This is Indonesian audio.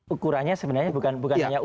ukurannya sebenarnya bukan hanya uang masuk